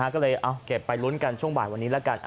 ก็เลยเอาเก็บไปลุ้นกันช่วงบ่ายวันนี้แล้วกัน